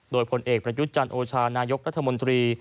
โดยผลเอกประยุทธ์จันทร์โอชานายกรัฐมนตรี